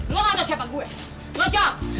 lo gak tau siapa gue lo jahat